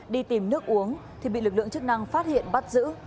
đi tìm nước uống thì bị lực lượng chức năng phát hiện bắt giữ